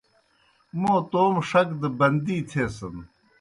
مو توموْ ݜک دہ بندی تھیسِن۔